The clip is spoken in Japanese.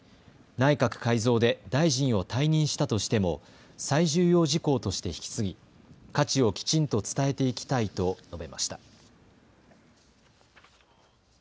内閣改造で大臣を退任したとしても最重要事項として引き継ぎ、価値をきちんと伝えていきたいと述べました。